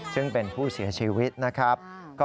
ซึ่งเป็นผู้เสียชีวิตนะครับ